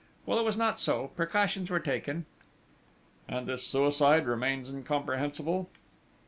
Well, it was not so precautions were taken." "And this suicide remains incomprehensible!"